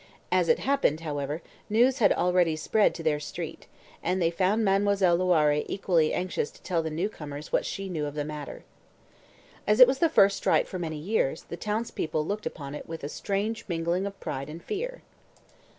As it happened, however, the news had already spread to their street, and they found Mademoiselle Loiré equally anxious to tell the new comers what she knew of the matter. As it was the first strike for many years, the townspeople looked upon it with a strange mingling of pride and fear.